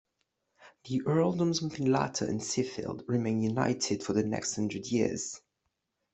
The earldoms of Findlater and Seafield remained united for the next hundred years.